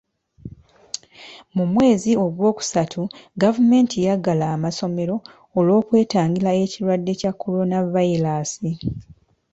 Mu mwezi gwokustu gavumenti yaggala amasomero olw'okwetangira ekirwadde kya Kolonavayiraasi.